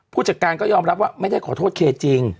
ผู้จัดการก็ยอมรับว่าไม่ได้ขอโทษเคจริง